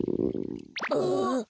ああ。